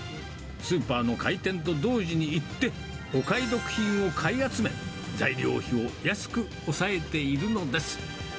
スーパーの開店と同時に行って、お買い得品を買い集め、材料費を安く抑えているのです。